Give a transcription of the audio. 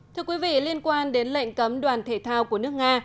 thưa quý vị liên quan đến lệnh cấm đoàn thể thao của nước nga